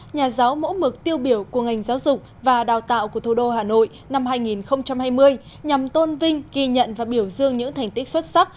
nhà giáo mẫu mực tiêu biểu của ngành giáo dục và đào tạo của thủ đô hà nội năm hai nghìn hai mươi nhằm tôn vinh ghi nhận và biểu dương những thành tích xuất sắc